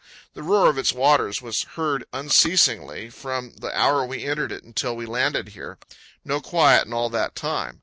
The roar of its waters was heard unceasingly from the hour we entered it until we landed here. No quiet in all that time.